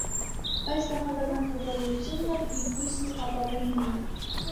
Բայց կախարդական թագավորությունն էլ իր հույսն ու ապավենն ունի։